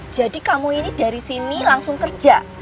jadi kamu ini dari sini langsung kerja